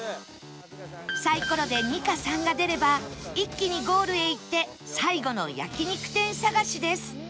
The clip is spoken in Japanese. サイコロで「２」か「３」が出れば一気にゴールへ行って最後の焼肉店探しです